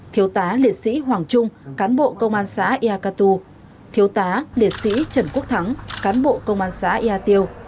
thiếu tá liệt sĩ hoàng trung cán bộ công an xã yà cơ tu thiếu tá liệt sĩ trần quốc thắng cán bộ công an xã yà tiêu